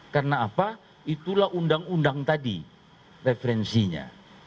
karena apa itulah undang undang tadi referensinya